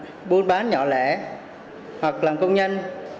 thường là phụ nữ buôn bán nhỏ lẻ hoặc làm công nhân